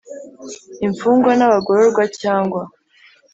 Imfungwa n abagororwa cyangwa